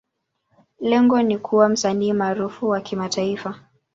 Lengo ni kuwa msanii maarufu wa kimataifa.